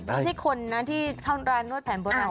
ไม่ใช่คนนะที่เข้าร้านนวดแผนโบราณ